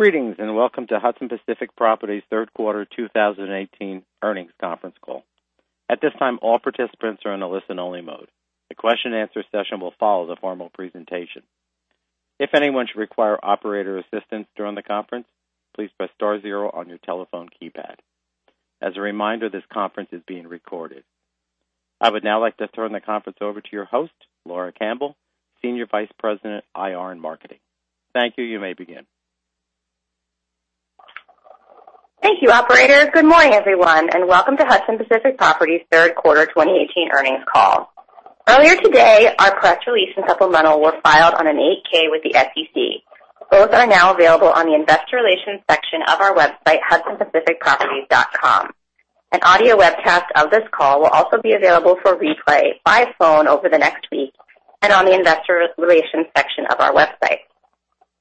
Greetings. Welcome to Hudson Pacific Properties' third quarter 2018 earnings conference call. At this time, all participants are in a listen-only mode. A question and answer session will follow the formal presentation. If anyone should require operator assistance during the conference, please press star zero on your telephone keypad. As a reminder, this conference is being recorded. I would now like to turn the conference over to your host, Laura Campbell, Senior Vice President, IR and Marketing. Thank you. You may begin. Thank you, operator. Good morning, everyone. Welcome to Hudson Pacific Properties' third quarter 2018 earnings call. Earlier today, our press release and supplemental were filed on an 8-K with the SEC. Both are now available on the investor relations section of our website, hudsonpacificproperties.com. An audio webcast of this call will also be available for replay by phone over the next week and on the investor relations section of our website.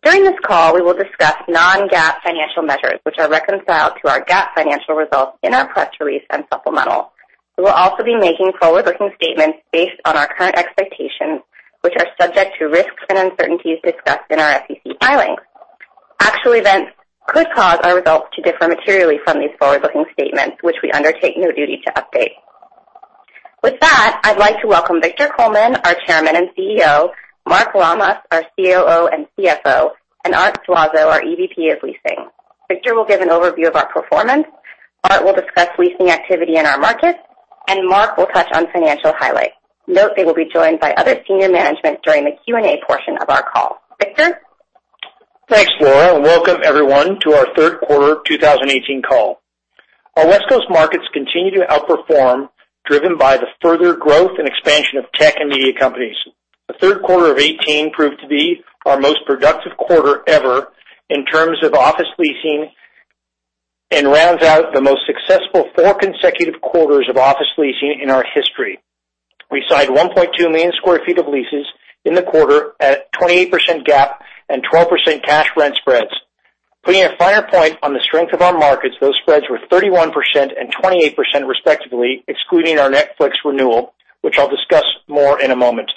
During this call, we will discuss non-GAAP financial measures, which are reconciled to our GAAP financial results in our press release and supplemental. We will also be making forward-looking statements based on our current expectations, which are subject to risks and uncertainties discussed in our SEC filings. Actual events could cause our results to differ materially from these forward-looking statements, which we undertake no duty to update. With that, I'd like to welcome Victor Coleman, our Chairman and CEO, Mark Lammas, our COO and CFO, and Art Suazo, our EVP of Leasing. Victor will give an overview of our performance, Art will discuss leasing activity in our markets, and Mark will touch on financial highlights. Note they will be joined by other senior management during the Q&A portion of our call. Victor? Thanks, Laura. Welcome, everyone, to our third quarter 2018 call. Our West Coast markets continue to outperform, driven by the further growth and expansion of tech and media companies. The third quarter of 2018 proved to be our most productive quarter ever in terms of office leasing, and rounds out the most successful four consecutive quarters of office leasing in our history. We signed 1.2 million sq ft of leases in the quarter at 28% GAAP and 12% cash rent spreads. Putting a finer point on the strength of our markets, those spreads were 31% and 28% respectively, excluding our Netflix renewal, which I'll discuss more in a moment.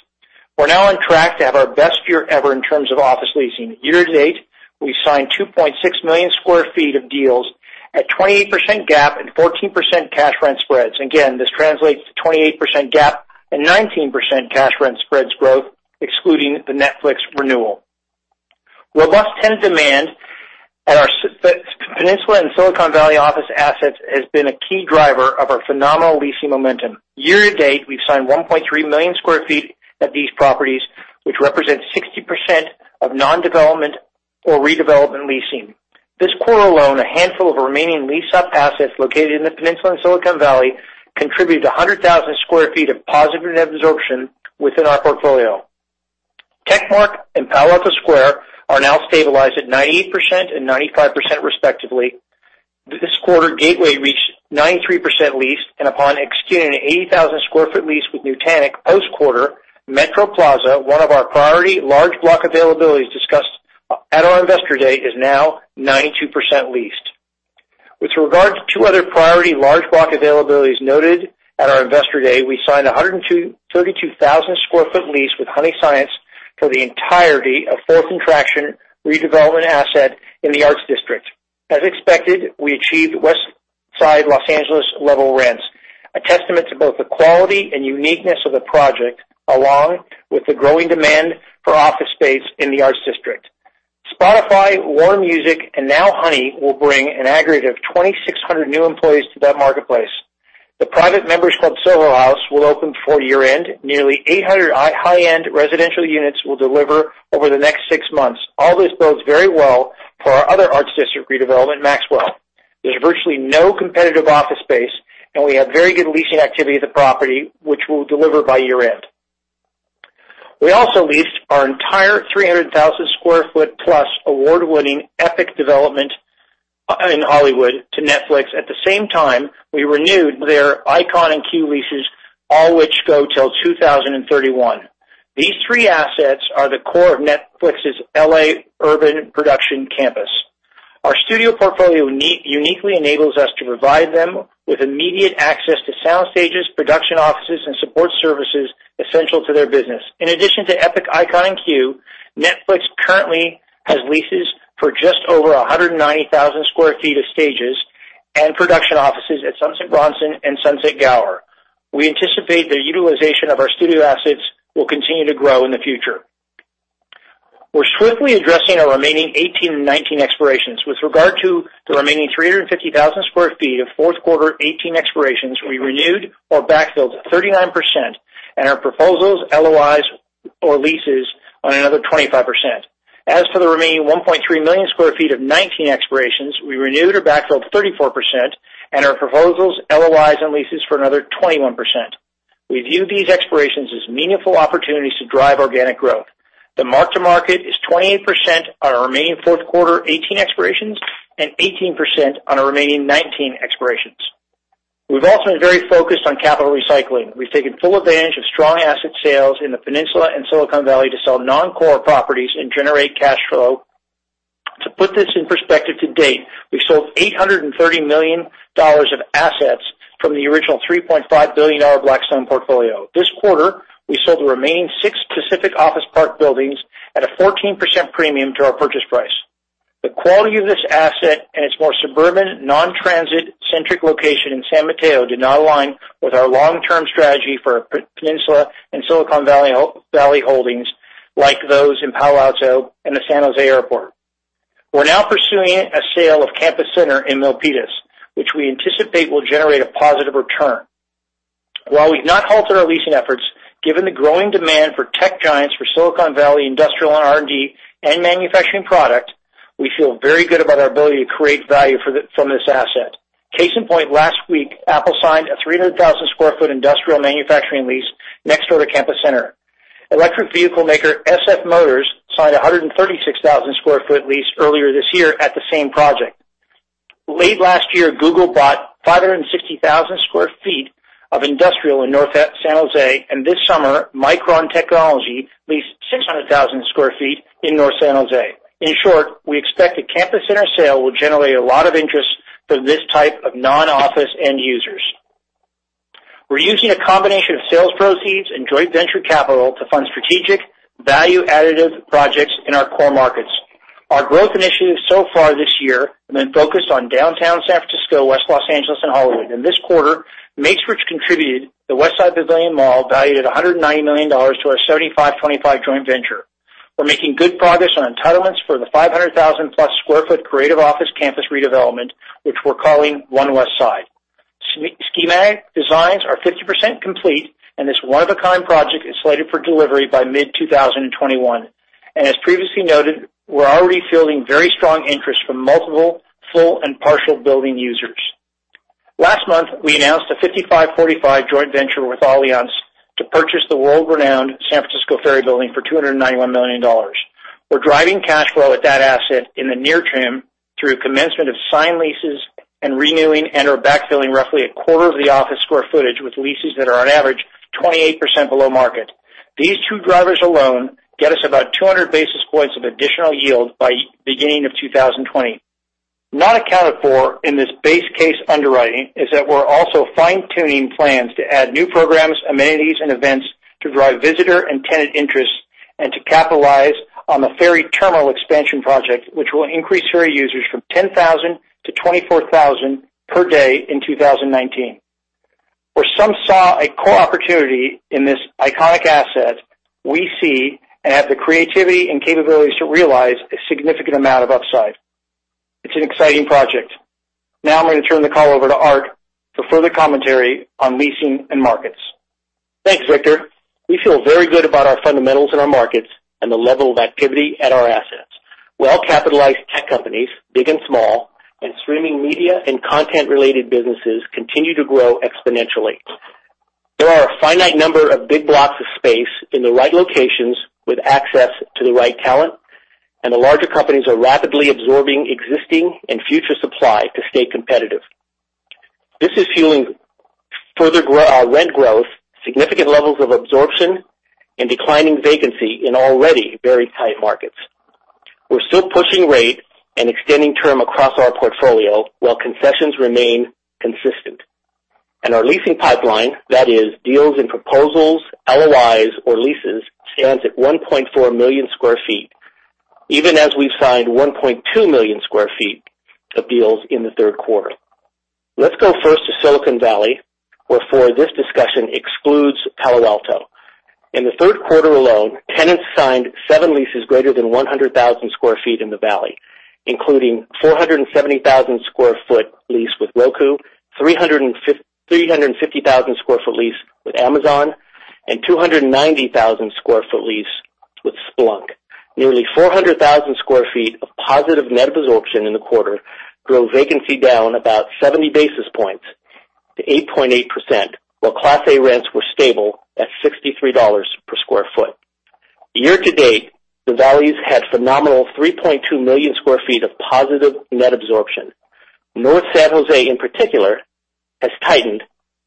We're now on track to have our best year ever in terms of office leasing. Year-to-date, we signed 2.6 million sq ft of deals at 28% GAAP and 14% cash rent spreads. This translates to 28% GAAP and 19% cash rent spreads growth, excluding the Netflix renewal. Robust tenant demand at our Peninsula and Silicon Valley office assets has been a key driver of our phenomenal leasing momentum. Year-to-date, we've signed 1.3 million square feet at these properties, which represents 60% of non-development or redevelopment leasing. This quarter alone, a handful of remaining leased-up assets located in the Peninsula and Silicon Valley contributed to 100,000 square feet of positive net absorption within our portfolio. Techmart and Palo Alto Square are now stabilized at 98% and 95% respectively. This quarter, Gateway reached 93% leased, and upon executing an 80,000-square-foot lease with Nutanix post-quarter, Metro Plaza, one of our priority large block availabilities discussed at our Investor Day, is now 92% leased. With regard to two other priority large block availabilities noted at our Investor Day, we signed a 132,000-square-foot lease with Honey Science for the entirety of Fourth and Traction redevelopment asset in the Arts District. As expected, we achieved Westside L.A. level rents, a testament to both the quality and uniqueness of the project, along with the growing demand for office space in the Arts District. Spotify, Warner Music, and now Honey will bring an aggregate of 2,600 new employees to that marketplace. The private members club, Soho House, will open before year-end. Nearly 800 high-end residential units will deliver over the next six months. All this bodes very well for our other Arts District redevelopment, Maxwell. There's virtually no competitive office space, and we have very good leasing activity at the property, which we'll deliver by year-end. We also leased our entire 300,000 square foot-plus, award-winning Epic development in Hollywood to Netflix. At the same time, we renewed their Icon and Q leases, all which go till 2031. These three assets are the core of Netflix's L.A. urban production campus. Our studio portfolio uniquely enables us to provide them with immediate access to sound stages, production offices, and support services essential to their business. In addition to Epic, Icon, and Q, Netflix currently has leases for just over 190,000 square feet of stages and production offices at Sunset Bronson and Sunset Gower. We anticipate the utilization of our studio assets will continue to grow in the future. We're swiftly addressing our remaining 2018 and 2019 expirations. With regard to the remaining 350,000 square feet of fourth quarter 2018 expirations, we renewed or backfilled 39%, and our proposals, LOIs or leases on another 25%. The remaining 1.3 million square feet of 2019 expirations, we renewed or backfilled 34%, and our proposals, LOIs, and leases for another 21%. We view these expirations as meaningful opportunities to drive organic growth. The mark to market is 28% on our remaining fourth quarter 2018 expirations and 18% on our remaining 2019 expirations. We've also been very focused on capital recycling. We've taken full advantage of strong asset sales in the Peninsula and Silicon Valley to sell non-core properties and generate cash flow. To put this in perspective, to date, we sold $830 million of assets from the original $3.5 billion Blackstone portfolio. This quarter, we sold the remaining six Pacific Office Park buildings at a 14% premium to our purchase price. The quality of this asset and its more suburban, non-transit-centric location in San Mateo did not align with our long-term strategy for Peninsula and Silicon Valley holdings like those in Palo Alto and the San Jose Airport. We're now pursuing a sale of Campus Center in Milpitas, which we anticipate will generate a positive return. While we've not halted our leasing efforts, given the growing demand for tech giants for Silicon Valley industrial and R&D and manufacturing product, we feel very good about our ability to create value from this asset. Case in point, last week, Apple signed a 300,000 sq ft industrial manufacturing lease next door to Campus Center. Electric vehicle maker SF Motors signed 136,000 sq ft lease earlier this year at the same project. Late last year, Google bought 560,000 sq ft of industrial in North San Jose, and this summer, Micron Technology leased 600,000 sq ft in North San Jose. In short, we expect the Campus Center sale will generate a lot of interest for this type of non-office end users. We're using a combination of sales proceeds and joint venture capital to fund strategic value additive projects in our core markets. Our growth initiatives so far this year have been focused on downtown San Francisco, West Los Angeles, and Hollywood. In this quarter, Macerich contributed the Westside Pavilion Mall, valued at $190 million, to our 75/25 joint venture. We're making good progress on entitlements for the 500,000-plus sq ft creative office campus redevelopment, which we're calling One Westside. Schematic designs are 50% complete, and this one-of-a-kind project is slated for delivery by mid-2021. As previously noted, we're already fielding very strong interest from multiple full and partial building users. Last month, we announced a 55/45 joint venture with Allianz to purchase the world-renowned San Francisco Ferry Building for $291 million. We're driving cash flow at that asset in the near term through commencement of signed leases and renewing and/or backfilling roughly a quarter of the office square footage with leases that are on average 28% below market. These two drivers alone get us about 200 basis points of additional yield by beginning of 2020. Not accounted for in this base case underwriting is that we're also fine-tuning plans to add new programs, amenities, and events to drive visitor and tenant interest and to capitalize on the ferry terminal expansion project, which will increase ferry users from 10,000 to 24,000 per day in 2019. Where some saw a core opportunity in this iconic asset, we see and have the creativity and capabilities to realize a significant amount of upside. It's an exciting project. Now I'm going to turn the call over to Art for further commentary on leasing and markets. Thanks, Victor. We feel very good about our fundamentals in our markets and the level of activity at our assets. Well-capitalized tech companies, big and small, and streaming media and content-related businesses continue to grow exponentially. There are a finite number of big blocks of space in the right locations with access to the right talent, and the larger companies are rapidly absorbing existing and future supply to stay competitive. This is fueling further rent growth, significant levels of absorption, and declining vacancy in already very tight markets. We're still pushing rate and extending term across our portfolio while concessions remain consistent. Our leasing pipeline, that is deals and proposals, LOIs or leases, stands at 1.4 million square feet, even as we've signed 1.2 million square feet of deals in the third quarter. Let's go first to Silicon Valley, where for this discussion excludes Palo Alto. In the third quarter alone, tenants signed seven leases greater than 100,000 square feet in the Valley, including 470,000 square foot lease with Roku, 350,000 square foot lease with Amazon, and 290,000 square foot lease with Splunk. Nearly 400,000 square feet of positive net absorption in the quarter drove vacancy down about 70 basis points to 8.8%, while Class A rents were stable at $63 per square foot. Year-to-date, the Valley's had phenomenal 3.2 million square feet of positive net absorption. North San Jose in particular has tightened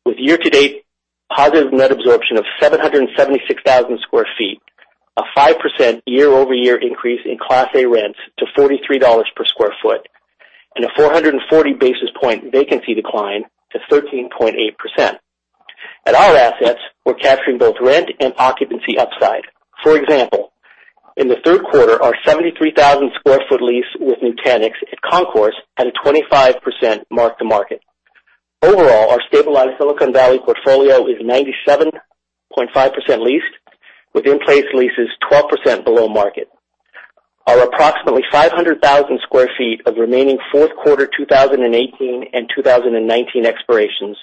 with year-to-date positive net absorption of 776,000 square feet, a 5% year-over-year increase in Class A rents to $43 per square foot, and a 440 basis point vacancy decline to 13.8%. At our assets, we're capturing both rent and occupancy upside. For example, in the third quarter, our 73,000 square foot lease with Nutanix at Concourse had a 25% mark-to-market. Overall, our stabilized Silicon Valley portfolio is 97.5% leased with in-place leases 12% below market. Our approximately 500,000 square feet of remaining fourth quarter 2018 and 2019 expirations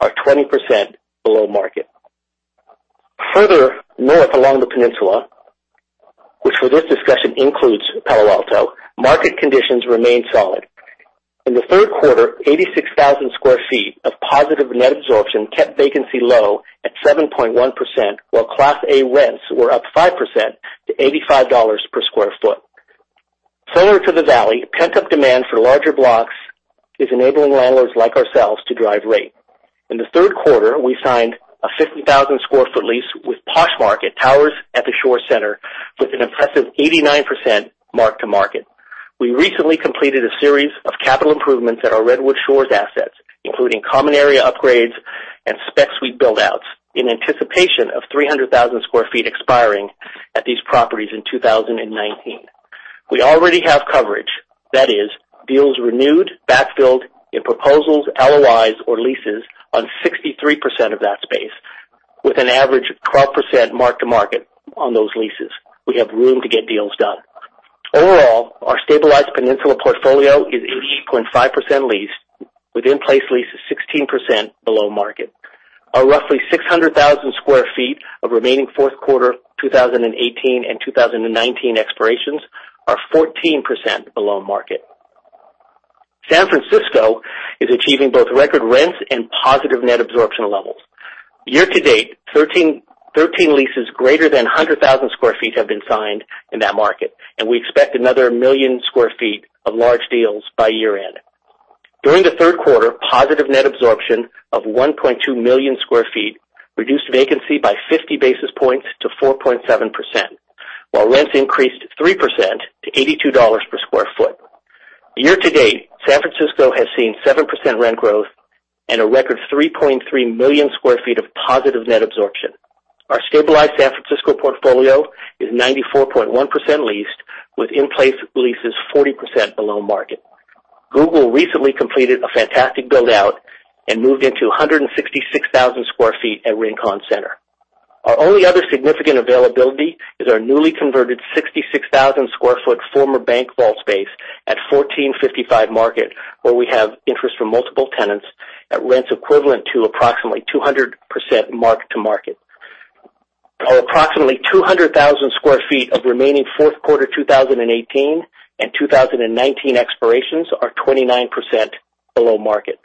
are 20% below market. Further north along the Peninsula, which for this discussion includes Palo Alto, market conditions remain solid. In the third quarter, 86,000 square feet of positive net absorption kept vacancy low at 7.1%, while Class A rents were up 5% to $85 per square foot. Similar to the Valley, pent-up demand for larger blocks is enabling landlords like ourselves to drive rate. In the third quarter, we signed a 50,000 square foot lease with Poshmark at Towers at Shore Center with an impressive 89% mark-to-market. We recently completed a series of capital improvements at our Redwood Shores assets, including common area upgrades and spec suite build-outs in anticipation of 300,000 square feet expiring at these properties in 2019. We already have coverage, that is deals renewed, back-filled in proposals, LOIs, or leases on 63% of that space with an average 12% mark-to-market on those leases. We have room to get deals done. Overall, our stabilized Peninsula portfolio is 88.5% leased with in-place leases 16% below market. Our roughly 600,000 square feet of remaining fourth quarter 2018 and 2019 expirations are 14% below market. San Francisco is achieving both record rents and positive net absorption levels. Year-to-date, 13 leases greater than 100,000 square feet have been signed in that market, and we expect another 1 million square feet of large deals by year-end. During the third quarter, positive net absorption of 1.2 million sq ft reduced vacancy by 50 basis points to 4.7%, while rents increased 3% to $82 per sq ft. Year-to-date, San Francisco has seen 7% rent growth and a record 3.3 million sq ft of positive net absorption. Our stabilized San Francisco portfolio is 94.1% leased with in-place leases 40% below market. Google recently completed a fantastic build-out and moved into 166,000 sq ft at Rincon Center. Our only other significant availability is our newly converted 66,000 sq ft former bank vault space at 1455 Market, where we have interest from multiple tenants at rents equivalent to approximately 200% mark-to-market. Our approximately 200,000 sq ft of remaining fourth quarter 2018 and 2019 expirations are 29% below market.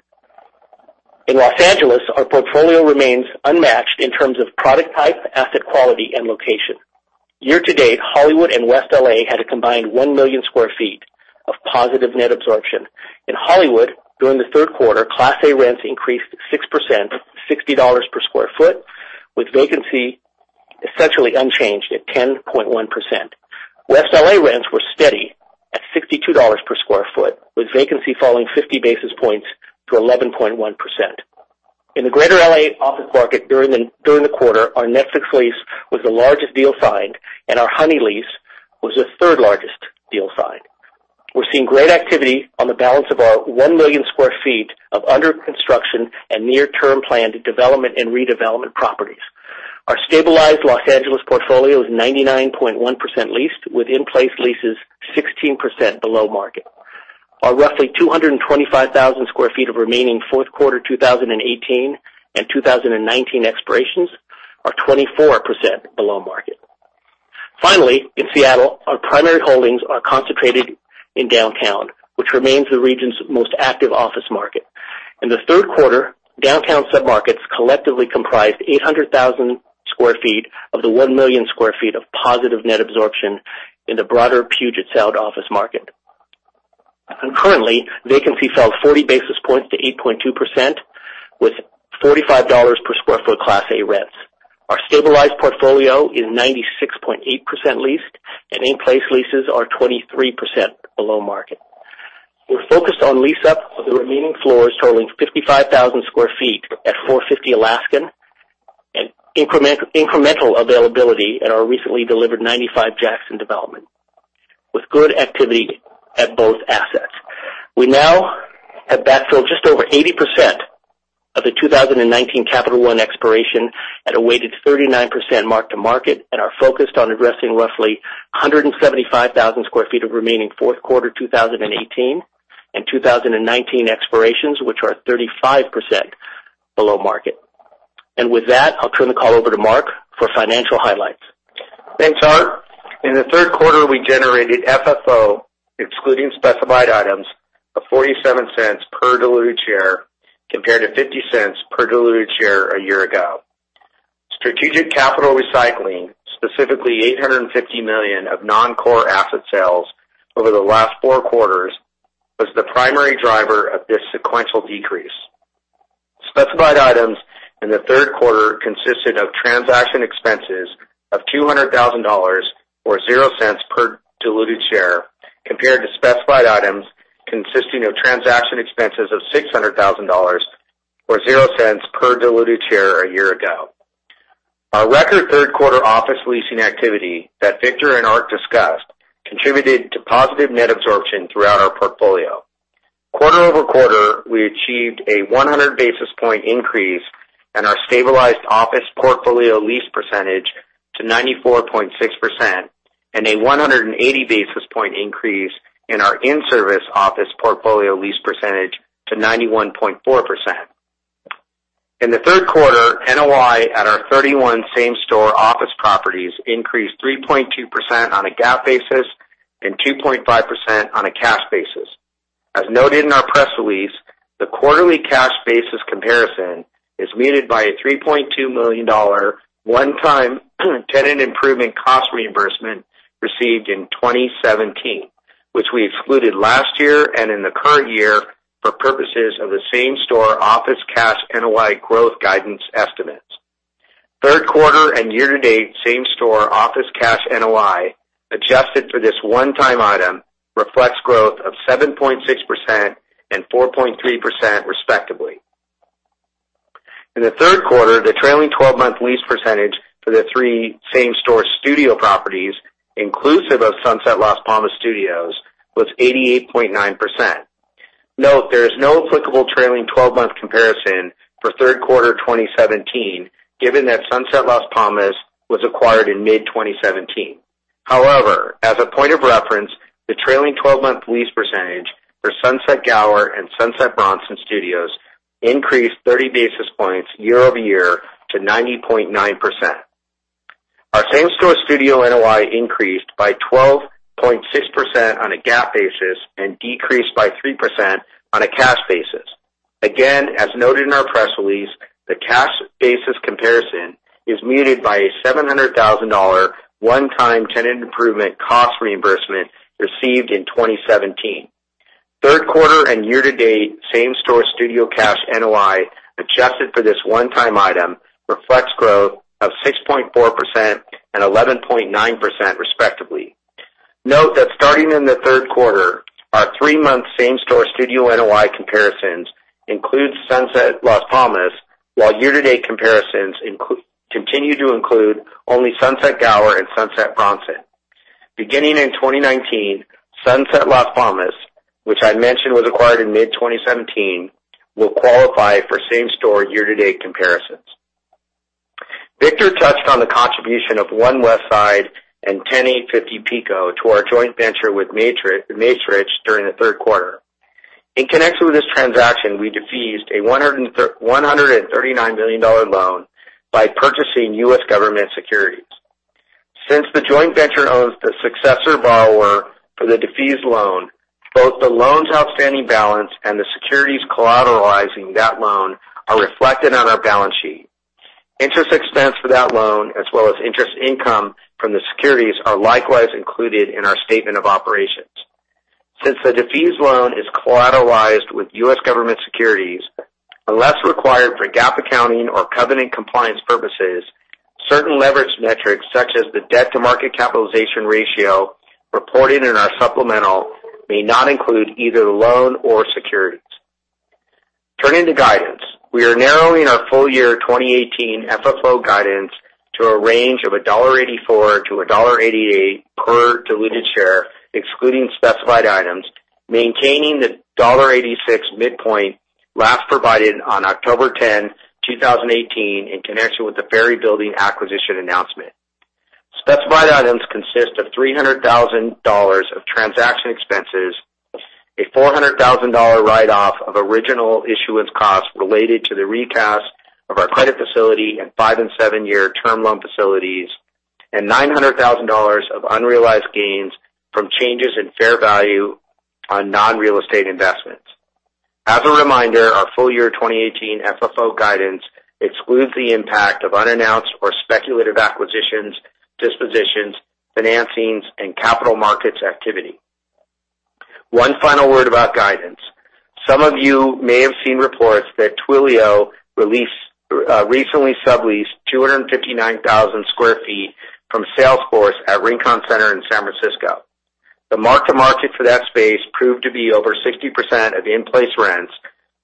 In Los Angeles, our portfolio remains unmatched in terms of product type, asset quality, and location. Year-to-date, Hollywood and West L.A. had a combined 1 million sq ft of positive net absorption. In Hollywood, during the third quarter, Class A rents increased 6%, $60 per sq ft, with vacancy essentially unchanged at 10.1%. West L.A. rents were steady at $62 per sq ft, with vacancy falling 50 basis points to 11.1%. In the Greater L.A. office market during the quarter, our Netflix lease was the largest deal signed, and our Honey lease was the third largest deal signed. We're seeing great activity on the balance of our 1 million sq ft of under-construction and near-term planned development and redevelopment properties. Our stabilized Los Angeles portfolio is 99.1% leased with in-place leases 16% below market. Our roughly 225,000 sq ft of remaining fourth quarter 2018 and 2019 expirations are 24% below market. Finally, in Seattle, our primary holdings are concentrated in downtown, which remains the region's most active office market. In the third quarter, downtown submarkets collectively comprised 800,000 sq ft of the 1 million sq ft of positive net absorption in the broader Puget Sound office market. Concurrently, vacancy fell 40 basis points to 8.2%, with $45 per sq ft Class A rents. Our stabilized portfolio is 96.8% leased, and in-place leases are 23% below market. We're focused on lease-up of the remaining floors totaling 55,000 sq ft at 450 Alaskan and incremental availability at our recently delivered 95 Jackson development, with good activity at both assets. We now have backfilled just over 80% of the 2019 Capital One expiration at a weighted 39% mark-to-market and are focused on addressing roughly 175,000 sq ft of remaining fourth quarter 2018 and 2019 expirations, which are 35% below market. With that, I'll turn the call over to Mark for financial highlights. Thanks, Art. In the third quarter, we generated FFO excluding specified items of $0.47 per diluted share, compared to $0.50 per diluted share a year ago. Strategic capital recycling, specifically $850 million of non-core asset sales over the last four quarters, was the primary driver of this sequential decrease. Specified items in the third quarter consisted of transaction expenses of $200,000, or $0.00 per diluted share, compared to specified items consisting of transaction expenses of $600,000, or $0.00 per diluted share a year ago. Our record third quarter office leasing activity that Victor and Art discussed contributed to positive net absorption throughout our portfolio. Quarter-over-quarter, we achieved a 100-basis point increase in our stabilized office portfolio lease percentage to 94.6% and a 180-basis point increase in our in-service office portfolio lease percentage to 91.4%. In the third quarter, NOI at our 31 same-store office properties increased 3.2% on a GAAP basis and 2.5% on a cash basis. As noted in our press release, the quarterly cash basis comparison is muted by a $3.2 million one-time tenant improvement cost reimbursement received in 2017. We excluded last year and in the current year for purposes of the same-store office cash NOI growth guidance estimates. Third quarter and year-to-date same-store office cash NOI, adjusted for this one-time item, reflects growth of 7.6% and 4.3%, respectively. In the third quarter, the trailing 12-month lease percentage for the three same-store studio properties, inclusive of Sunset Las Palmas Studios, was 88.9%. Note, there is no applicable trailing 12-month comparison for third quarter 2017, given that Sunset Las Palmas was acquired in mid-2017. However, as a point of reference, the trailing 12-month lease percentage for Sunset Gower and Sunset Bronson Studios increased 30 basis points year-over-year to 90.9%. Our same-store studio NOI increased by 12.6% on a GAAP basis and decreased by 3% on a cash basis. Again, as noted in our press release, the cash basis comparison is muted by a $700,000 one-time tenant improvement cost reimbursement received in 2017. Third quarter and year-to-date same-store studio cash NOI, adjusted for this one-time item, reflects growth of 6.4% and 11.9%, respectively. Note that starting in the third quarter, our three-month same-store studio NOI comparisons include Sunset Las Palmas, while year-to-date comparisons continue to include only Sunset Gower and Sunset Bronson. Beginning in 2019, Sunset Las Palmas, which I mentioned was acquired in mid-2017, will qualify for same-store year-to-date comparisons. Victor touched on the contribution of One Westside and 10850 Pico to our joint venture with Matrix during the third quarter. In connection with this transaction, we defeased a $139 million loan by purchasing U.S. government securities. Since the joint venture owns the successor borrower for the defeased loan, both the loan's outstanding balance and the securities collateralizing that loan are reflected on our balance sheet. Interest expense for that loan, as well as interest income from the securities, are likewise included in our statement of operations. Since the defeased loan is collateralized with U.S. government securities, unless required for GAAP accounting or covenant compliance purposes, certain leverage metrics such as the debt-to-market capitalization ratio reported in our supplemental may not include either the loan or securities. Turning to guidance. We are narrowing our full-year 2018 FFO guidance to a range of $1.84-$1.88 per diluted share, excluding specified items, maintaining the $1.86 midpoint last provided on October 10, 2018, in connection with the Ferry Building acquisition announcement. Specified items consist of $300,000 of transaction expenses, a $400,000 write-off of original issuance costs related to the recast of our credit facility and five-and-seven-year term loan facilities, and $900,000 of unrealized gains from changes in fair value on non-real estate investments. As a reminder, our full-year 2018 FFO guidance excludes the impact of unannounced or speculative acquisitions, dispositions, financings, and capital markets activity. One final word about guidance. Some of you may have seen reports that Twilio recently subleased 259,000 sq ft from Salesforce at Rincon Center in San Francisco. The mark-to-market for that space proved to be over 60% of in-place rents,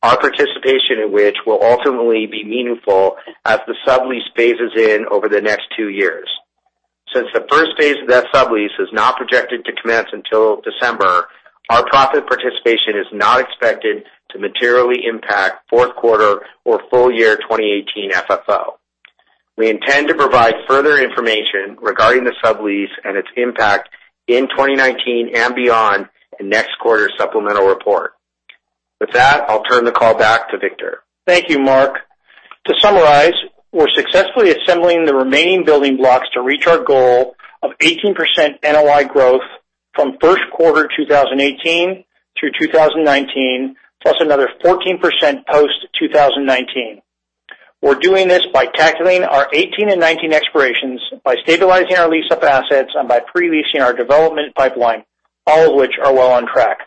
our participation in which will ultimately be meaningful as the sublease phases in over the next two years. Since the first phase of that sublease is not projected to commence until December, our profit participation is not expected to materially impact fourth quarter or full year 2018 FFO. We intend to provide further information regarding the sublease and its impact in 2019 and beyond in next quarter's supplemental report. With that, I'll turn the call back to Victor. Thank you, Mark. To summarize, we're successfully assembling the remaining building blocks to reach our goal of 18% NOI growth from first quarter 2018 through 2019, plus another 14% post-2019. We're doing this by calculating our '18 and '19 expirations, by stabilizing our lease-up assets, and by pre-leasing our development pipeline, all of which are well on track.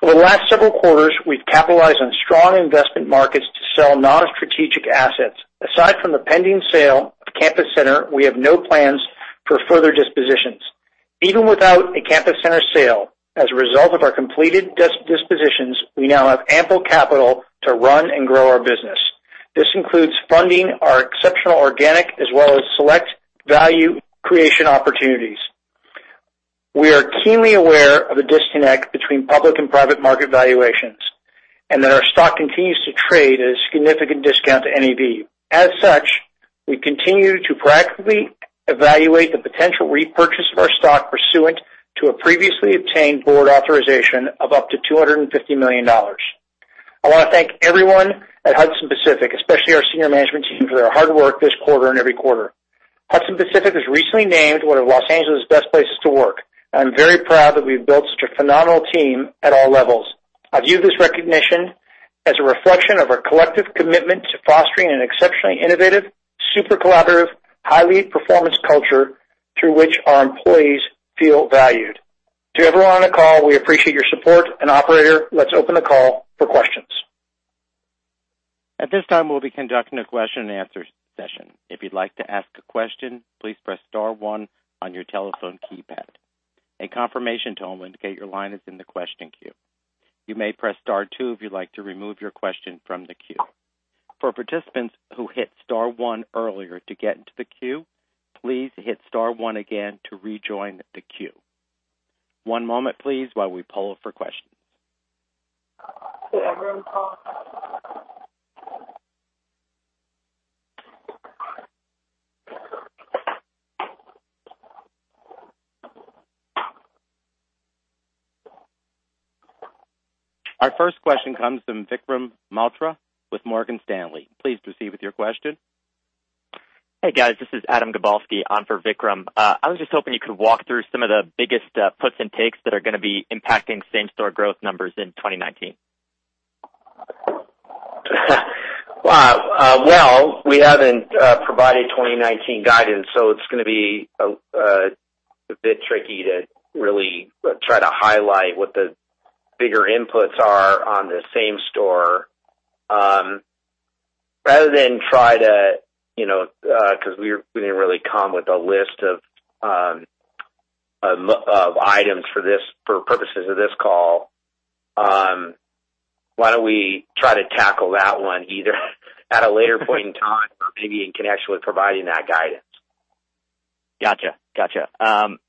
For the last several quarters, we've capitalized on strong investment markets to sell non-strategic assets. Aside from the pending sale of Campus Center, we have no plans for further dispositions. Even without a Campus Center sale, as a result of our completed dispositions, we now have ample capital to run and grow our business. This includes funding our exceptional organic as well as select value creation opportunities. We are keenly aware of the disconnect between public and private market valuations, and that our stock continues to trade at a significant discount to NAV. As such, we continue to practically evaluate the potential repurchase of our stock pursuant to a previously obtained board authorization of up to $250 million. I want to thank everyone at Hudson Pacific, especially our senior management team, for their hard work this quarter and every quarter. Hudson Pacific was recently named one of Los Angeles' best places to work. I'm very proud that we've built such a phenomenal team at all levels. I view this recognition As a reflection of our collective commitment to fostering an exceptionally innovative, super collaborative, high risk performance culture through which our employees feel valued. To everyone on the call, we appreciate your support, operator, let's open the call for questions. At this time, we'll be conducting a question and answer session. If you'd like to ask a question, please press star one on your telephone keypad. A confirmation tone will indicate your line is in the question queue. You may press star two if you'd like to remove your question from the queue. For participants who hit star one earlier to get into the queue, please hit star one again to rejoin the queue. One moment please, while we poll for questions. Our first question comes from Vikram Malhotra with Morgan Stanley. Please proceed with your question. Hey, guys. This is Adam Gabalski on for Vikram. I was just hoping you could walk through some of the biggest puts and takes that are going to be impacting same-store growth numbers in 2019. Well, we haven't provided 2019 guidance, it's going to be a bit tricky to really try to highlight what the bigger inputs are on the same store. Because we didn't really come with a list of items for purposes of this call, why don't we try to tackle that one either at a later point in time or maybe in connection with providing that guidance? Got you.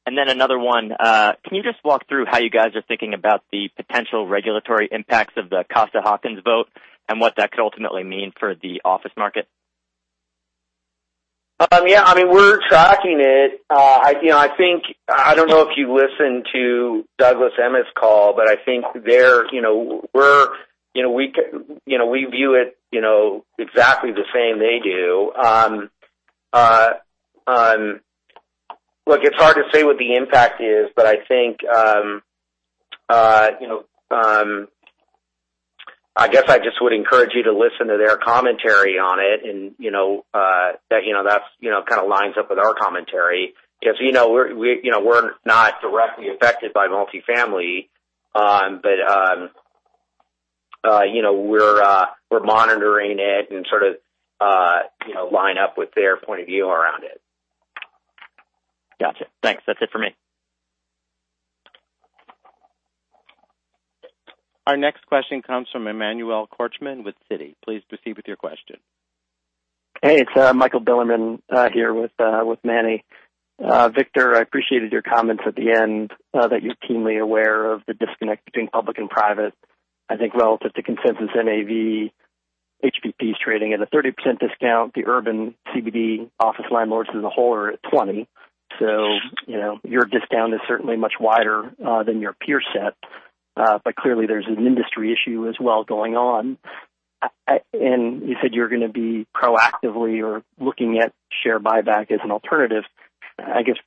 Another one. Can you just walk through how you guys are thinking about the potential regulatory impacts of the Costa-Hawkins vote and what that could ultimately mean for the office market? Yeah. We're tracking it. I don't know if you listened to Douglas Emmett's call, I think we view it exactly the same they do. Look, it's hard to say what the impact is, I guess I just would encourage you to listen to their commentary on it, and that kind of lines up with our commentary. We're not directly affected by multi-family, but we're monitoring it and sort of line up with their point of view around it. Got you. Thanks. That's it for me. Our next question comes from Emmanuel Korchman with Citi. Please proceed with your question. Hey, it's Michael Bilerman here with Manny. Victor, I appreciated your comments at the end, that you're keenly aware of the disconnect between public and private. I think relative to consensus NAV, HPP is trading at a 30% discount. The urban CBD office landlords as a whole are at 20%. Your discount is certainly much wider than your peer set. Clearly there's an industry issue as well going on. You said you're going to be proactively or looking at share buyback as an alternative. I guess,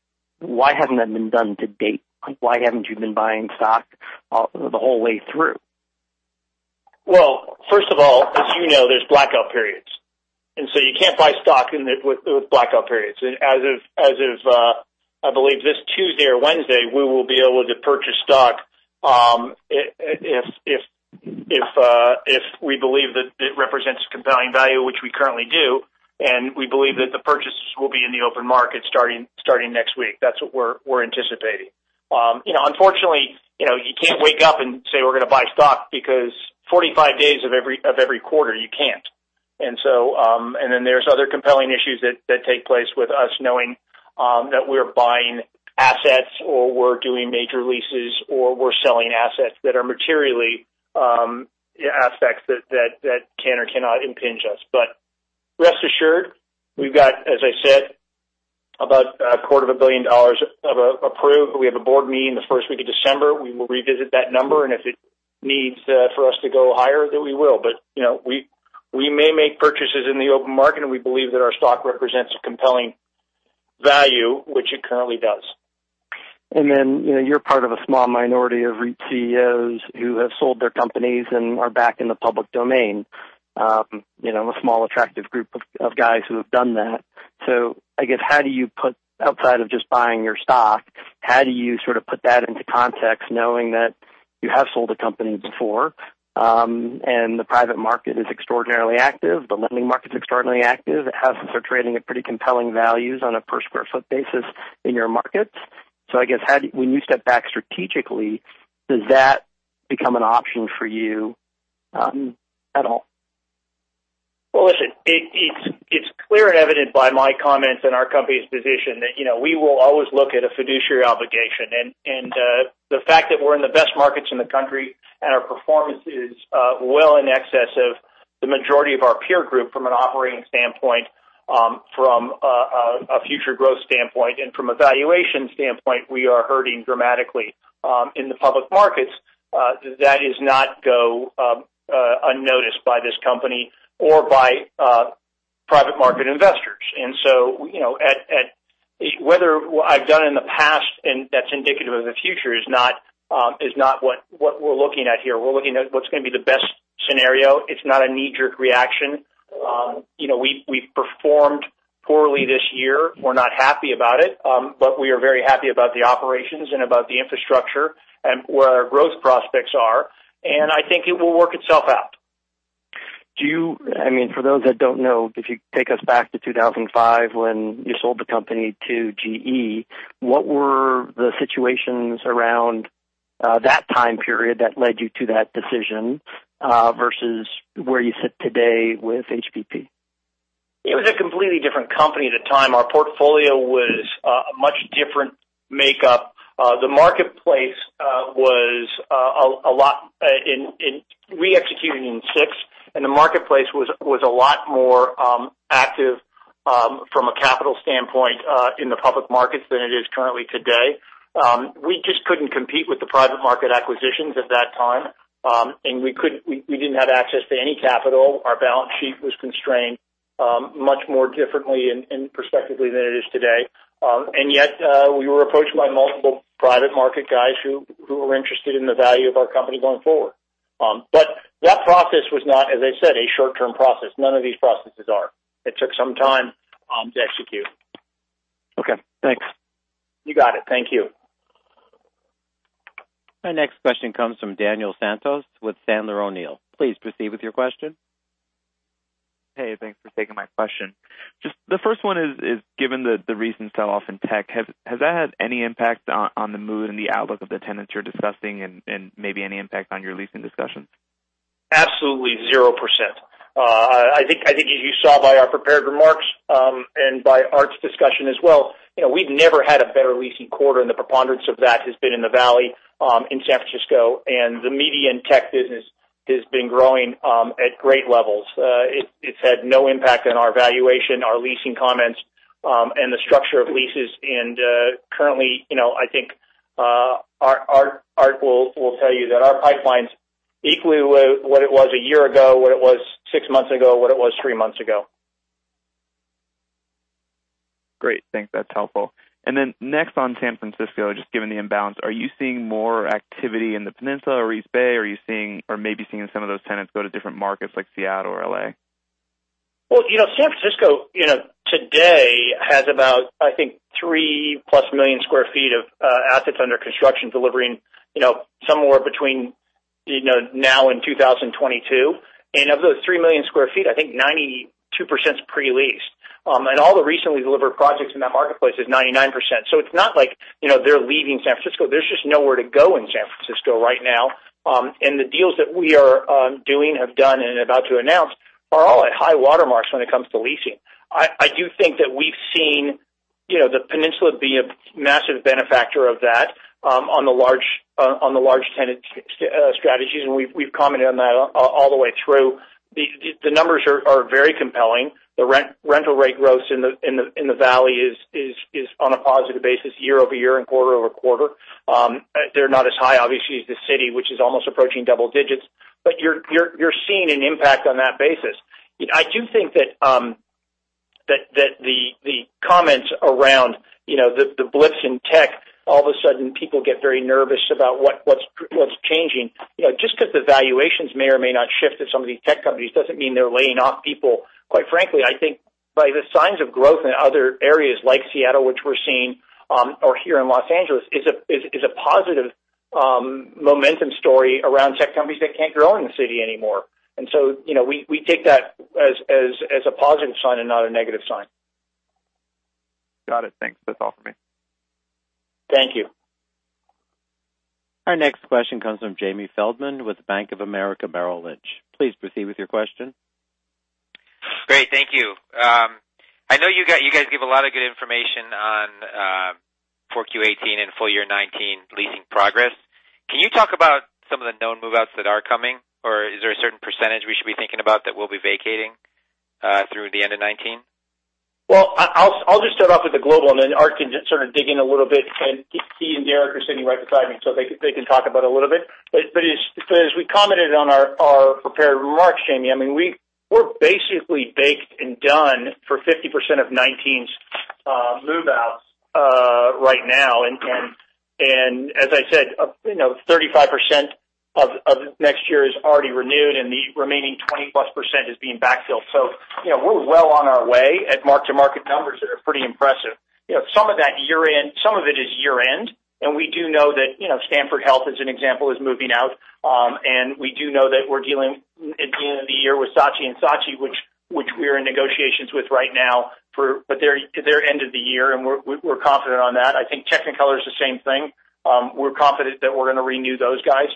why hasn't that been done to date? Why haven't you been buying stock the whole way through? First of all, as you know, there's blackout periods. You can't buy stock with blackout periods. As of, I believe this Tuesday or Wednesday, we will be able to purchase stock, if we believe that it represents compelling value, which we currently do. We believe that the purchases will be in the open market starting next week. That's what we're anticipating. Unfortunately, you can't wake up and say we're going to buy stock because 45 days of every quarter, you can't. There's other compelling issues that take place with us knowing that we're buying assets or we're doing major leases or we're selling assets that are materially aspects that can or cannot impinge us. Rest assured, we've got, as I said, about a quarter of a billion dollars of approved. We have a board meeting the first week of December. We will revisit that number, and if it needs for us to go higher, then we will. We may make purchases in the open market, and we believe that our stock represents a compelling value, which it currently does. You're part of a small minority of REIT CEOs who have sold their companies and are back in the public domain. A small attractive group of guys who have done that. I guess, outside of just buying your stock, how do you sort of put that into context, knowing that you have sold a company before, and the private market is extraordinarily active, the lending market's extraordinarily active, assets are trading at pretty compelling values on a per square foot basis in your markets. I guess, when you step back strategically, does that become an option for you at all? Well, listen, it's clear and evident by my comments and our company's position that we will always look at a fiduciary obligation. The fact that we're in the best markets in the country and our performance is well in excess of the majority of our peer group from an operating standpoint, from a future growth standpoint and from a valuation standpoint, we are hurting dramatically in the public markets. That does not go unnoticed by this company or by Private market investors. Whether what I've done in the past and that's indicative of the future is not what we're looking at here. We're looking at what's going to be the best scenario. It's not a knee-jerk reaction. We've performed poorly this year. We're not happy about it. We are very happy about the operations and about the infrastructure and where our growth prospects are, and I think it will work itself out. For those that don't know, if you take us back to 2005 when you sold the company to GE, what were the situations around that time period that led you to that decision, versus where you sit today with HPP? It was a completely different company at the time. Our portfolio was a much different makeup. We executed in six. The marketplace was a lot more active from a capital standpoint, in the public markets than it is currently today. We just couldn't compete with the private market acquisitions at that time. We didn't have access to any capital. Our balance sheet was constrained, much more differently and prospectively than it is today. Yet, we were approached by multiple private market guys who were interested in the value of our company going forward. That process was not, as I said, a short-term process. None of these processes are. It took some time to execute. Okay, thanks. You got it. Thank you. Our next question comes from Daniel Santos with Sandler O'Neill. Please proceed with your question. Hey, thanks for taking my question. Just the first one is, given the recent sell-off in tech, has that had any impact on the mood and the outlook of the tenants you're discussing and maybe any impact on your leasing discussions? Absolutely 0%. I think as you saw by our prepared remarks, and by Art's discussion as well, we've never had a better leasing quarter, and the preponderance of that has been in the Valley, in San Francisco, and the media and tech business has been growing at great levels. It's had no impact on our valuation, our leasing comments, and the structure of leases. Currently, I think, Art will tell you that our pipeline's equally what it was a year ago, what it was six months ago, what it was three months ago. Great. Thanks. That's helpful. Next on San Francisco, just given the imbalance, are you seeing more activity in the Peninsula or East Bay? Or are you maybe seeing some of those tenants go to different markets like Seattle or L.A.? Well, San Francisco today has about, I think, 3-plus million square feet of assets under construction delivering somewhere between now and 2022. Of those 3 million square feet, I think 92% is pre-leased. All the recently delivered projects in that marketplace is 99%. It's not like they're leaving San Francisco. There's just nowhere to go in San Francisco right now. The deals that we are doing, have done, and about to announce are all at high water marks when it comes to leasing. I do think that we've seen the peninsula be a massive benefactor of that, on the large tenant strategies, and we've commented on that all the way through. The numbers are very compelling. The rental rate growth in the valley is on a positive basis year-over-year and quarter-over-quarter. They're not as high, obviously, as the city, which is almost approaching double digits, but you're seeing an impact on that basis. I do think that the comments around the blitz in tech, all of a sudden people get very nervous about what's changing. Just because the valuations may or may not shift at some of these tech companies doesn't mean they're laying off people. Quite frankly, I think by the signs of growth in other areas like Seattle, which we're seeing, or here in Los Angeles, is a positive momentum story around tech companies that can't grow in the city anymore. We take that as a positive sign and not a negative sign. Got it. Thanks. That is all for me. Thank you. Our next question comes from Jamie Feldman with Bank of America Merrill Lynch. Please proceed with your question. Great. Thank you. I know you guys give a lot of good information on 4Q 2018 and full year 2019 leasing progress. Can you talk about some of the known move-outs that are coming, or is there a certain % we should be thinking about that we will be vacating through the end of 2019? I'll just start off with the global. Art can sort of dig in a little bit. He and Derek are sitting right beside me, so they can talk about it a little bit. As we commented on our prepared remarks, Jamie, we're basically baked and done for 50% of 2019's move-outs right now. As I said, 35% of next year is already renewed and the remaining 20-plus% is being backfilled. We're well on our way at mark-to-market numbers that are pretty impressive. Some of it is year-end. We do know that Stanford Health, as an example, is moving out. We do know that we're dealing at the end of the year with Saatchi & Saatchi, which we are in negotiations with right now to their end of the year, and we're confident on that. I think Technicolor is the same thing. We're confident that we're going to renew those guys.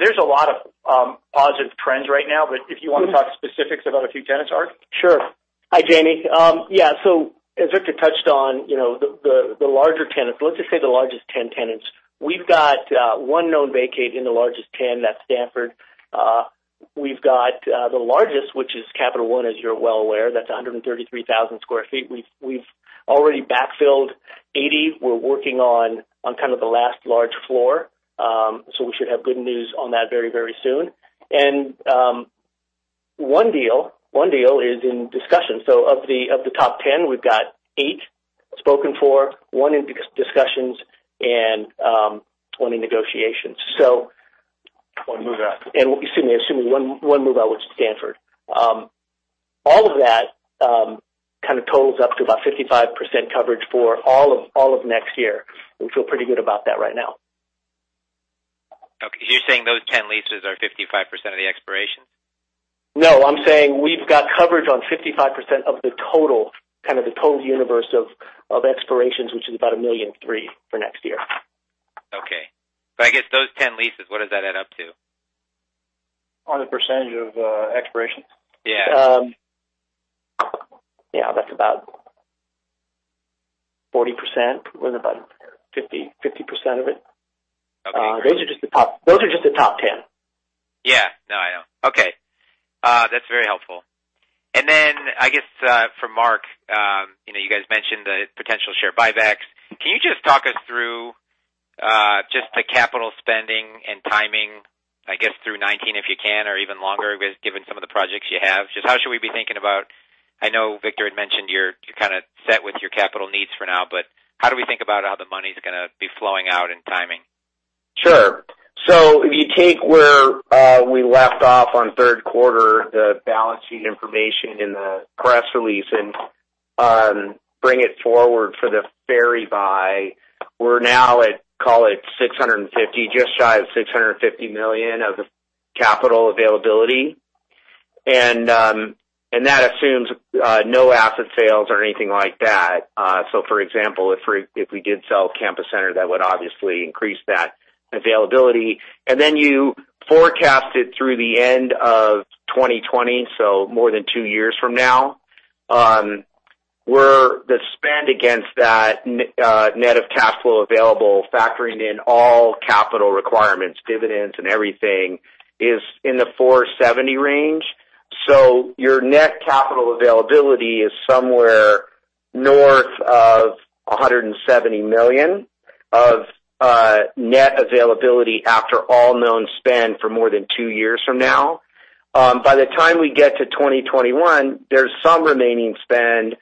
There's a lot of positive trends right now. If you want to talk specifics about a few tenants, Art? Sure. Hi, Jamie. As Victor touched on, the larger tenants, let's just say the largest 10 tenants. We've got one known vacate in the largest 10, that's Stanford. We've got the largest, which is Capital One, as you're well aware. That's 133,000 sq ft. We've already backfilled 80, we're working on kind of the last large floor. We should have good news on that very soon. One deal is in discussion. Of the top 10, we've got eight spoken for, one in discussions, and one in negotiations. One move-out. Assuming one move-out, which is Stanford. All of that kind of totals up to about 55% coverage for all of next year. We feel pretty good about that right now. Okay. You're saying those 10 leases are 55% of the expiration? No, I'm saying we've got coverage on 55% of the total universe of expirations, which is about $1.3 million for next year. Okay. I guess those 10 leases, what does that add up to? On the % of expirations? Yeah. Yeah, that's about 40%, or about 50% of it. Okay. Those are just the top 10. Yeah. No, I know. Okay. That's very helpful. I guess, for Mark, you guys mentioned the potential share buybacks. Can you just talk us through just the capital spending and timing, I guess, through 2019 if you can, or even longer, given some of the projects you have. Just how should we be thinking about I know Victor had mentioned you're kind of set with your capital needs for now, but how do we think about how the money's going to be flowing out and timing? Sure. If you take where we left off on third quarter, the balance sheet information in the press release, and bring it forward for the Ferry buy, we're now at, call it $650 million, just shy of $650 million of capital availability. That assumes no asset sales or anything like that. For example, if we did sell Campus Center, that would obviously increase that availability. You forecast it through the end of 2020, so more than two years from now. The spend against that net of cash flow available, factoring in all capital requirements, dividends, and everything, is in the $470 million range. Your net capital availability is somewhere north of $170 million of net availability after all known spend for more than two years from now. By the time we get to 2021, there's some remaining spend,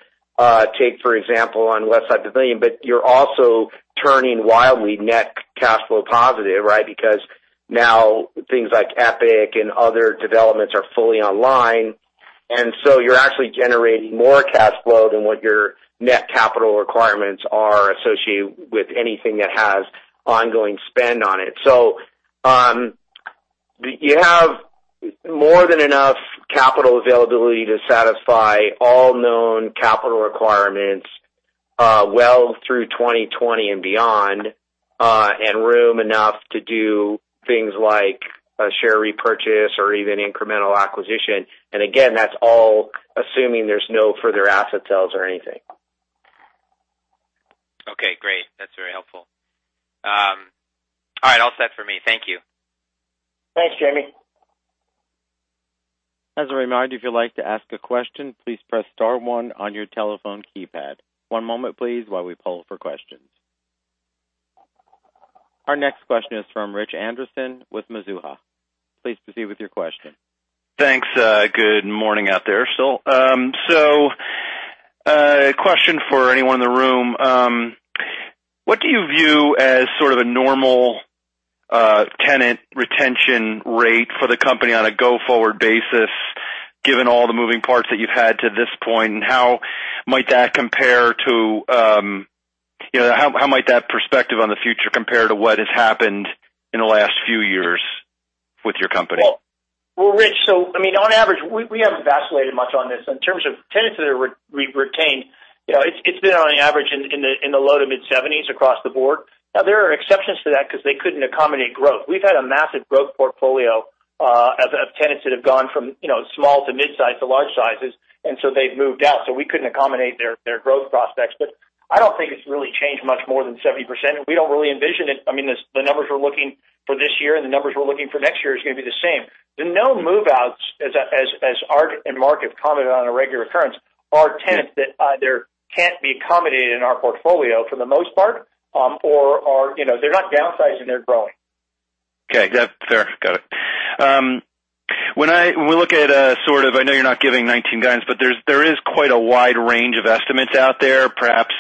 take for example, on Westside Pavilion, you're also turning wildly net cash flow positive, right? Because now things like Epic and other developments are fully online. You're actually generating more cash flow than what your net capital requirements are associated with anything that has ongoing spend on it. You have more than enough capital availability to satisfy all known capital requirements well through 2020 and beyond, and room enough to do things like a share repurchase or even incremental acquisition. Again, that's all assuming there's no further asset sales or anything. Okay, great. That's very helpful. All right, all set for me. Thank you. Thanks, Jamie. As a reminder, if you'd like to ask a question, please press star one on your telephone keypad. One moment, please, while we poll for questions. Our next question is from Richard Anderson with Mizuho. Please proceed with your question. Thanks. Good morning out there. A question for anyone in the room. What do you view as sort of a normal tenant retention rate for the company on a go-forward basis, given all the moving parts that you've had to this point? How might that perspective on the future compare to what has happened in the last few years with your company? Well, Rich, I mean, on average, we haven't vacillated much on this. In terms of tenants that are retained, it's been on average in the low to mid-70s across the board. There are exceptions to that because they couldn't accommodate growth. We've had a massive growth portfolio of tenants that have gone from small to mid-size to large sizes, they've moved out. We couldn't accommodate their growth prospects. I don't think it's really changed much more than 70%. We don't really envision it. I mean, the numbers we're looking for this year, the numbers we're looking for next year is going to be the same. The no move-outs, as Art and Mark have commented on a regular occurrence, are tenants that either can't be accommodated in our portfolio for the most part, or they're not downsizing, they're growing. Okay. That's fair. Got it. When we look at sort of, I know you're not giving 2019 guidance, there is quite a wide range of estimates out there, perhaps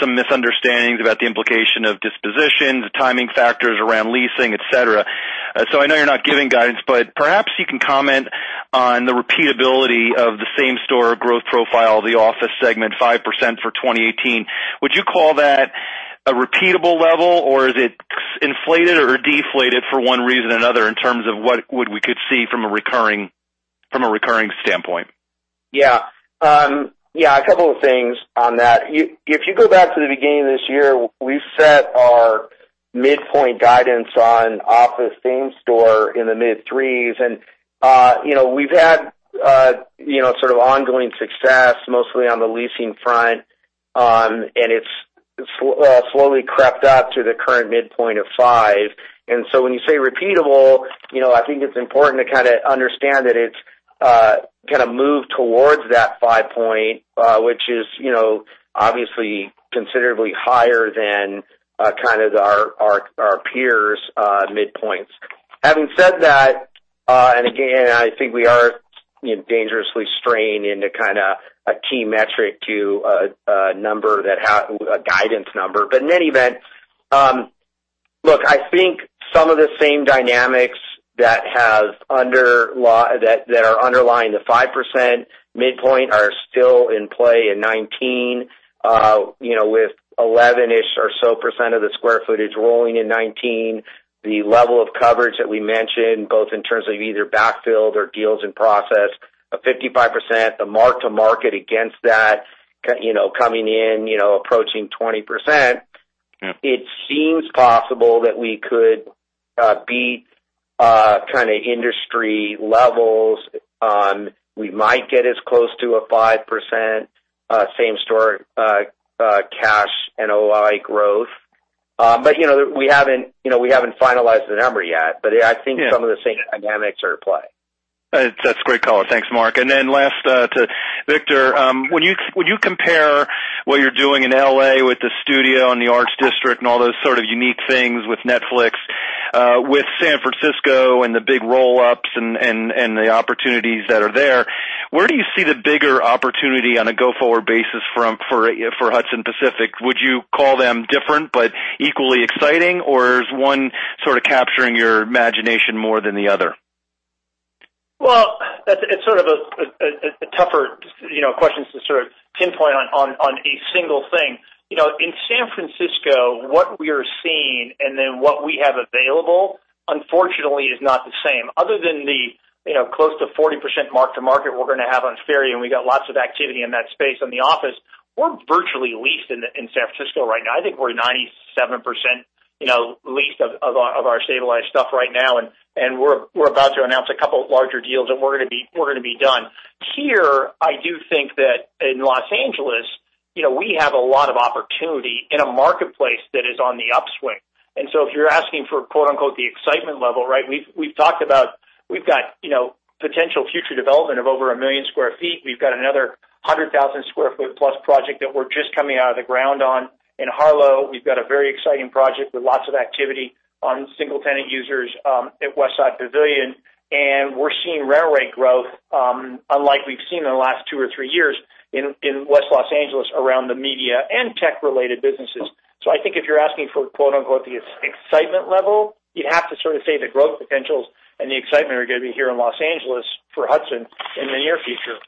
some misunderstandings about the implication of dispositions, timing factors around leasing, et cetera. I know you're not giving guidance, perhaps you can comment on the repeatability of the same-store growth profile of the office segment, 5% for 2018. Would you call that a repeatable level, or is it inflated or deflated for one reason or another in terms of what we could see from a recurring standpoint? Yeah. A couple of things on that. If you go back to the beginning of this year, we set our midpoint guidance on office same store in the mid-threes, we've had sort of ongoing success, mostly on the leasing front, and it's slowly crept up to the current midpoint of five. When you say repeatable, I think it's important to kind of understand that it's kind of move towards that five point, which is obviously considerably higher than our peers' midpoints. Having said that, again, I think we are dangerously straying into kind of a key metric to a guidance number. In any event, look, I think some of the same dynamics that are underlying the 5% midpoint are still in play in 2019. With 11-ish or so % of the square footage rolling in 2019, the level of coverage that we mentioned, both in terms of either backfill or deals in process of 55%, the mark-to-market against that coming in approaching 20%. It seems possible that we could beat kind of industry levels on, we might get as close to a 5% same-store cash NOI growth. We haven't finalized the number yet. I think- Yeah Some of the same dynamics are at play. That's a great call. Thanks, Mark. Last, to Victor, when you compare what you're doing in L.A. with the studio and the Arts District and all those sort of unique things with Netflix, with San Francisco and the big roll-ups and the opportunities that are there, where do you see the bigger opportunity on a go-forward basis for Hudson Pacific? Would you call them different but equally exciting, or is one sort of capturing your imagination more than the other? It's sort of a tougher question to sort of pinpoint on a single thing. In San Francisco, what we are seeing and then what we have available, unfortunately, is not the same. Other than the close to 40% mark-to-market we're going to have on Ferry, and we got lots of activity in that space in the office, we're virtually leased in San Francisco right now. I think we're 97% leased of our stabilized stuff right now, and we're about to announce a couple larger deals, and we're going to be done. Here, I do think that in Los Angeles, we have a lot of opportunity in a marketplace that is on the upswing. If you're asking for quote, unquote, the excitement level, right, we've talked about, we've got potential future development of over 1 million sq ft. We've got another 100,000 sq ft plus project that we're just coming out of the ground on in Harlow. We've got a very exciting project with lots of activity on single-tenant users, at Westside Pavilion. We're seeing rare rate growth, unlike we've seen in the last two or three years in West L.A. around the media and tech-related businesses. I think if you're asking for, quote, unquote, the excitement level, you'd have to sort of say the growth potentials and the excitement are going to be here in Los Angeles for Hudson in the near future.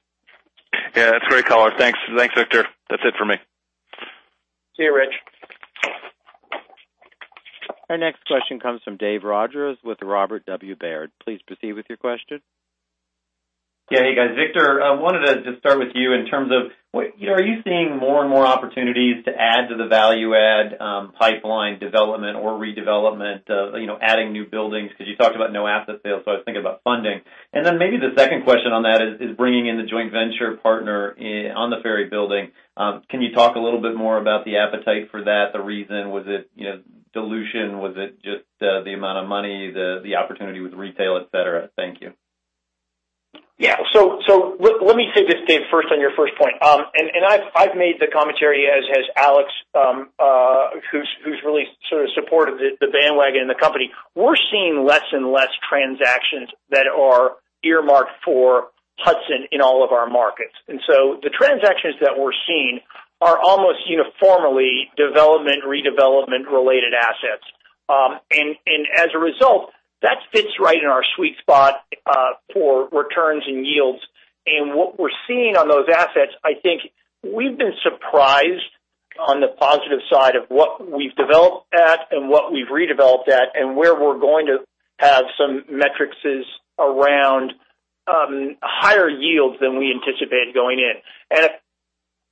Yeah, that's a great call. Thanks, Victor. That's it for me. See you, Rich. Our next question comes from David Rodgers with Robert W. Baird. Please proceed with your question. Yeah. Hey, guys. Victor, I wanted to just start with you in terms of, are you seeing more and more opportunities to add to the value add pipeline development or redevelopment of adding new buildings? You talked about no asset sales, so I was thinking about funding. Maybe the second question on that is bringing in the joint venture partner on the Ferry Building. Can you talk a little bit more about the appetite for that, the reason? Was it dilution? Was it just the amount of money, the opportunity with retail, et cetera? Thank you. Yeah. Let me say this, Dave, first on your first point. I've made the commentary, as has Alex, who's really sort of supported the bandwagon and the company. We're seeing less and less transactions that are earmarked for Hudson in all of our markets. The transactions that we're seeing are almost uniformly development, redevelopment-related assets. As a result, that fits right in our sweet spot for returns and yields. What we're seeing on those assets, I think we've been surprised on the positive side of what we've developed at and what we've redeveloped at, and where we're going to have some metrics around higher yields than we anticipated going in.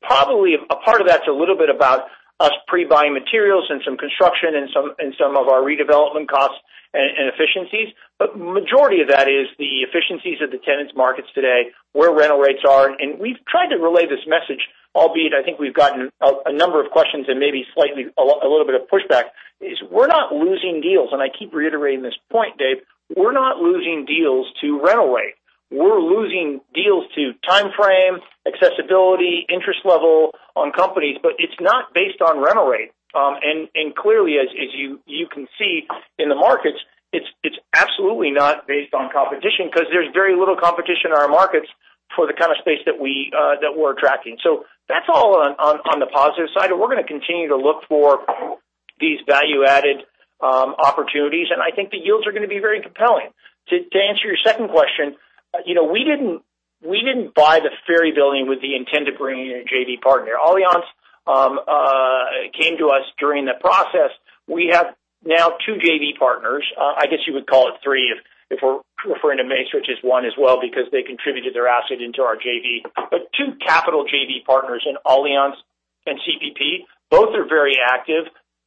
Probably a part of that's a little bit about us pre-buying materials and some construction and some of our redevelopment costs and efficiencies. Majority of that is the efficiencies of the tenants' markets today, where rental rates are. We've tried to relay this message, albeit I think we've gotten a number of questions and maybe slightly a little bit of pushback, is we're not losing deals. I keep reiterating this point, Dave. We're not losing deals to rental rate. We're losing deals to timeframe, accessibility, interest level on companies, but it's not based on rental rate. Clearly, as you can see in the markets, it's absolutely not based on competition because there's very little competition in our markets for the kind of space that we're attracting. That's all on the positive side, and we're going to continue to look for these value-added opportunities, and I think the yields are going to be very compelling. To answer your second question, we didn't buy the Ferry Building with the intent of bringing in a JV partner. Allianz came to us during the process. We have now two JV partners. I guess you would call it three if we're referring to Macerich, which is one as well, because they contributed their asset into our JV. Two capital JV partners in Allianz and CPPIB. Both are very active.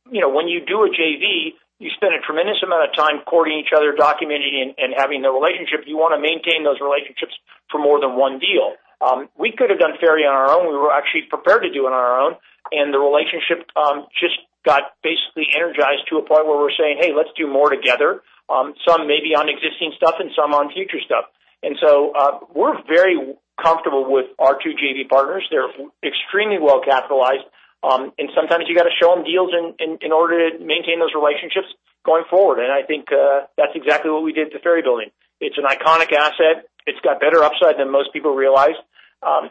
When you do a JV, you spend a tremendous amount of time courting each other, documenting, and having the relationship. You want to maintain those relationships For more than one deal. We could have done Ferry on our own. We were actually prepared to do it on our own, the relationship just got basically energized to a point where we're saying, "Hey, let's do more together." Some maybe on existing stuff and some on future stuff. We're very comfortable with our two JV partners. They're extremely well-capitalized. Sometimes you got to show them deals in order to maintain those relationships going forward. I think that's exactly what we did at the Ferry Building. It's an iconic asset. It's got better upside than most people realize.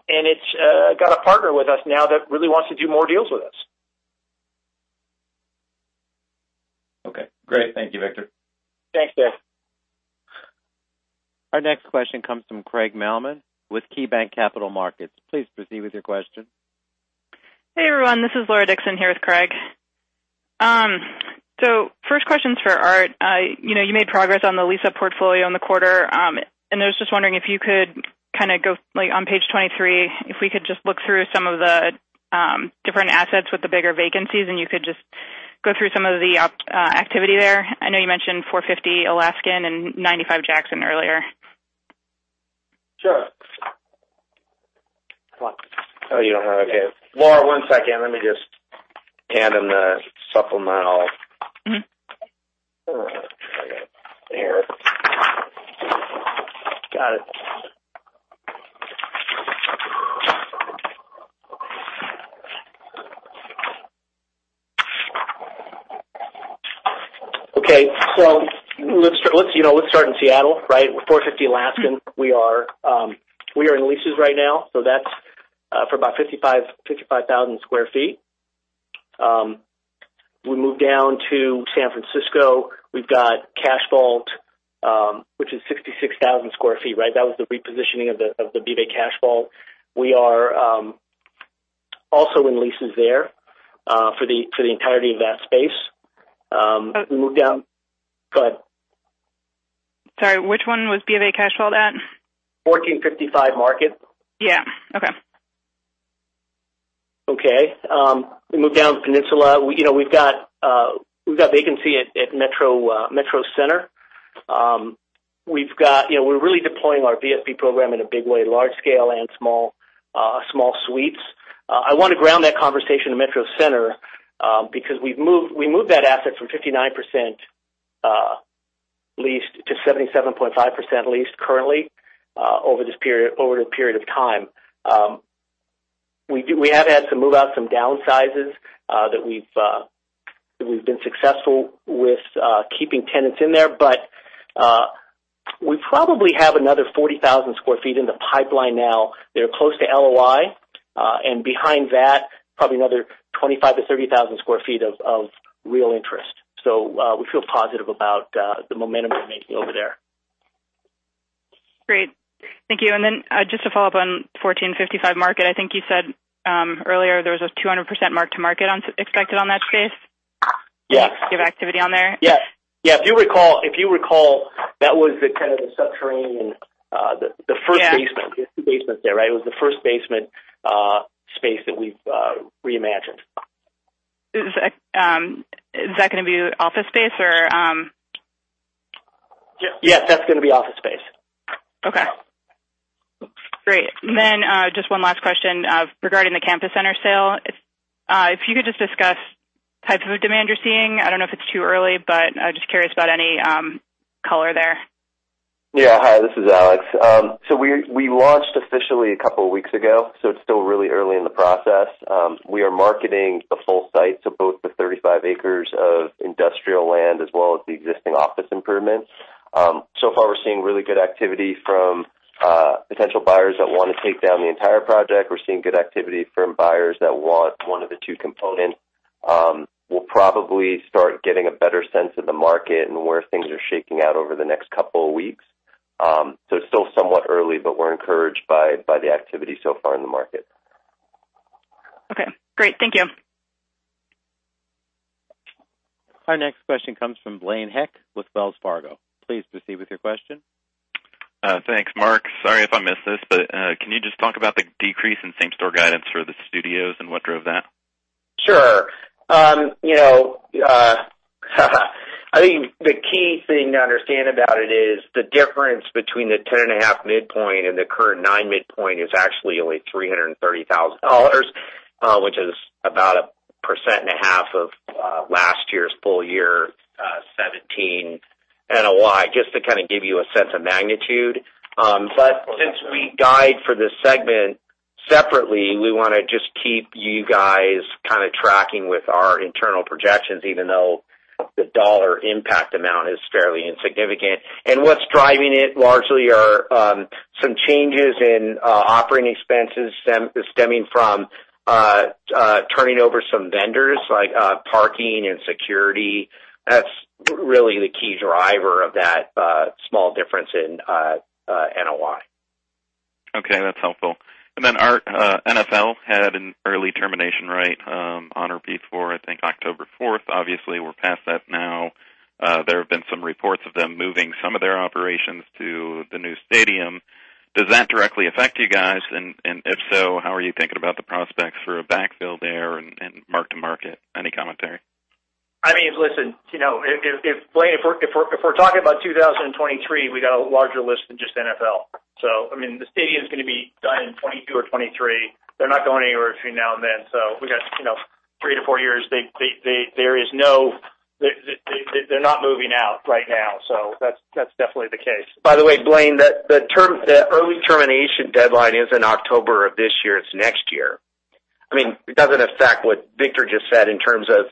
It's got a partner with us now that really wants to do more deals with us. Okay, great. Thank you, Victor. Thanks, Dave. Our next question comes from Craig Mailman with KeyBanc Capital Markets. Please proceed with your question. Hey, everyone. This is Laura Dixon here with Craig. First question's for Art. You made progress on the lease-up portfolio in the quarter. I was just wondering if you could go, on page 23, if we could just look through some of the different assets with the bigger vacancies, and you could just go through some of the activity there. I know you mentioned 450 Alaskan and 95 Jackson earlier. Sure. Come on. Oh, you don't have it here. Laura, one second. Let me just hand him the supplemental. Hold on. I got it. Here. Got it. Okay. Let's start in Seattle, right? 450 Alaskan. We are in leases right now, so that's for about 55,000 sq ft. We move down to San Francisco, we've got Cash Vault, which is 66,000 sq ft. That was the repositioning of the BofA Cash Vault. We are also in leases there for the entirety of that space. We move down. Go ahead. Sorry, which one was BofA Cash Vault at? 1455 Market. Yeah. Okay. We move down the peninsula. We've got vacancy at Metro Center. We're really deploying our VSP Program in a big way, large scale and small suites. I want to ground that conversation in Metro Center because we moved that asset from 59% leased to 77.5% leased currently over this period of time. We have had to move out some downsizes that we've been successful with keeping tenants in there. We probably have another 40,000 sq ft in the pipeline now that are close to LOI, and behind that, probably another 25,000 to 30,000 sq ft of real interest. We feel positive about the momentum we're making over there. Great. Thank you. Just to follow up on 1455 Market, I think you said earlier there was a 200% mark-to-market expected on that space? Yeah. Lease activity on there? Yes. If you recall, that was kind of the subterranean. Yeah the first basement. There's two basements there. It was the first basement space that we've reimagined. Is that going to be office space or? Yes, that's going to be office space. Okay. Great. Just one last question regarding the Campus Center sale. If you could just discuss types of demand you're seeing. I don't know if it's too early, but just curious about any color there. Yeah. Hi, this is Alex. We launched officially a couple of weeks ago, so it's still really early in the process. We are marketing the full site, so both the 35 acres of industrial land as well as the existing office improvements. So far we're seeing really good activity from potential buyers that want to take down the entire project. We're seeing good activity from buyers that want one of the two components. We'll probably start getting a better sense of the market and where things are shaking out over the next couple of weeks. It's still somewhat early, but we're encouraged by the activity so far in the market. Okay, great. Thank you. Our next question comes from Blaine Heck with Wells Fargo. Please proceed with your question. Thanks, Mark. Sorry if I missed this, can you just talk about the decrease in same-store guidance for the studios and what drove that? Sure. I think the key thing to understand about it is the difference between the 10.5 midpoint and the current 9 midpoint is actually only $330,000, which is about 1.5% of last year's full year 2017 NOI, just to kind of give you a sense of magnitude. Since we guide for this segment separately, we want to just keep you guys kind of tracking with our internal projections, even though the dollar impact amount is fairly insignificant. What's driving it largely are some changes in operating expenses stemming from turning over some vendors, like parking and security. That's really the key driver of that small difference in NOI. Okay, that's helpful. Then Art, NFL had an early termination right on or before, I think, October 4th. Obviously, we're past that now. There have been some reports of them moving some of their operations to the new stadium. Does that directly affect you guys? If so, how are you thinking about the prospects for a backfill there and mark-to-market? Any commentary? Listen, Blaine, if we're talking about 2023, we got a larger list than just NFL. The stadium's going to be done in 2022 or 2023. They're not going anywhere between now and then. We got three to four years. They're not moving out right now. That's definitely the case. By the way, Blaine, the early termination deadline isn't October of this year, it's next year. It doesn't affect what Victor just said in terms of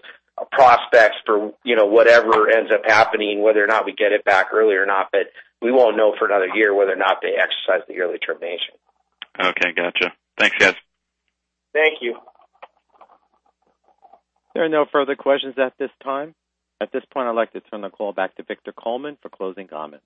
prospects for whatever ends up happening, whether or not we get it back early or not, but we won't know for another year whether or not they exercise the early termination. Okay, got you. Thanks, guys. Thank you. There are no further questions at this time. At this point, I'd like to turn the call back to Victor Coleman for closing comments.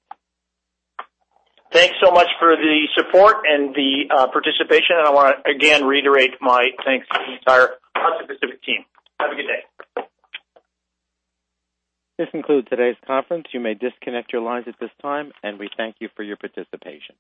Thanks so much for the support and the participation, and I want to again reiterate my thanks to the entire Hudson Pacific team. Have a good day. This concludes today's conference. You may disconnect your lines at this time, and we thank you for your participation.